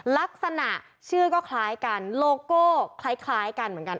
ลักษณะชื่อก็คล้ายกันโลโก้คล้ายกันเหมือนกัน